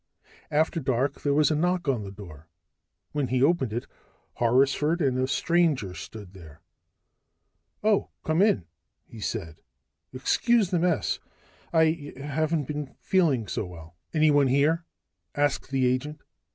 After dark, there was a knock on the door. When he opened it, Horrisford and a stranger stood there. "Oh come in," he said "Excuse the mess. I haven't been feeling so well." "Anyone here?" asked the agent.